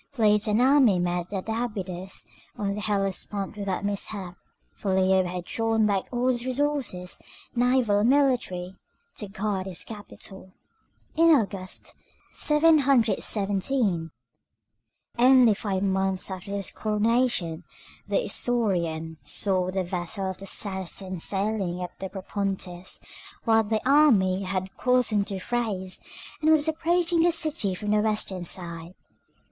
Fleet and army met at Abydos on the Hellespont without mishap, for Leo had drawn back all his resources, naval and military, to guard his capital. In August, 717, only five months after his coronation, the Isaurian saw the vessels of the Saracens sailing up the Propontis, while their army had crossed into Thrace and was approaching the city from the western side.